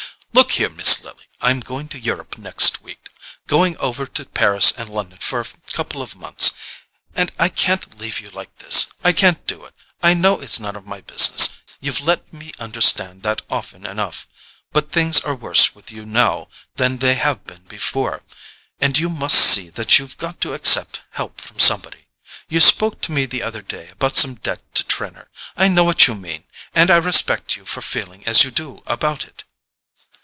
"Look here, Miss Lily, I'm going to Europe next week: going over to Paris and London for a couple of months—and I can't leave you like this. I can't do it. I know it's none of my business—you've let me understand that often enough; but things are worse with you now than they have been before, and you must see that you've got to accept help from somebody. You spoke to me the other day about some debt to Trenor. I know what you mean—and I respect you for feeling as you do about it."